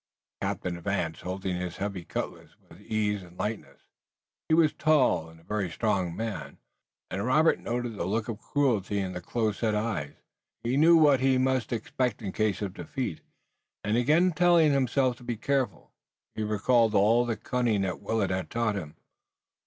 The captain advanced, holding the heavy cutlass with ease and lightness. He was a tall and very strong man, and Robert noted the look of cruelty in the close set eyes. He knew what he must expect in case of defeat, and again telling himself to be careful he recalled all the cunning that Willet had taught him.